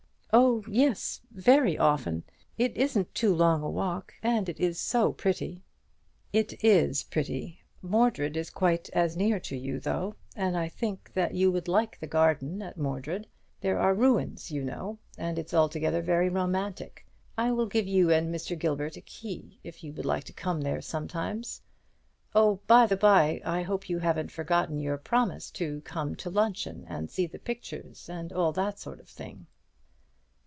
"Oh yes, very often. It isn't too long a walk, and it is so pretty." "It is pretty. Mordred is quite as near to you, though, and I think that you would like the garden at Mordred; there are ruins, you know, and it's altogether very romantic. I will give you and Mr. Gilbert a key, if you would like to come there sometimes. Oh, by the bye, I hope you haven't forgotten your promise to come to luncheon and see the pictures, and all that sort of thing."